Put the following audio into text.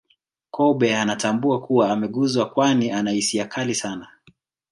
Kobe anatambua kuwa ameguswa kwani ana hisia kali sana